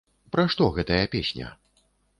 Пра што гэтая песня?